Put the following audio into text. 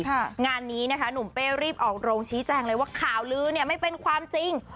งานนี้นะคะหนุ่มเป้รีบออกโรงชี้แจงเลยว่าข่าวลือเนี่ยไม่เป็นความจริง